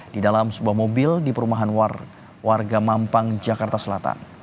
di dalam sebuah mobil di perumahan warga mampang jakarta selatan